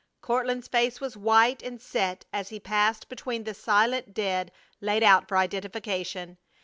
Courtland's face was white, and set as he passed between the silent dead laid out for identification.